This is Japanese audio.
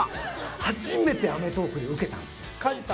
初めて『アメトーーク』でウケたんですよ。